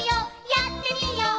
やってみよう！」